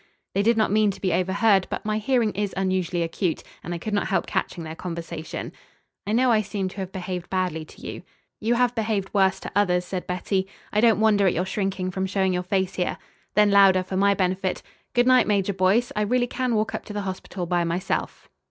They did not mean to be overheard, but my hearing is unusually acute, and I could not help catching their conversation. "I know I seem to have behaved badly to you." "You have behaved worse to others," said Betty. "I don't wonder at your shrinking from showing your face here." Then, louder, for my benefit. "Good night, Major Boyce. I really can walk up to the hospital by myself."